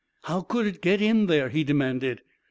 44 How could it get in there ?" he demanded.